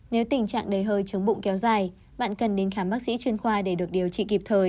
nếu tình trạng đầy hơi chống bụng kéo dài bạn cần đến khám bác sĩ chuyên khoa để được điều trị kịp thời